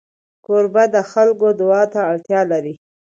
کوربه د خلکو دعا ته اړتیا لري.